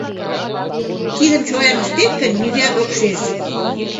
Тидым чоян ыштет гын, нигӧат ок шиж.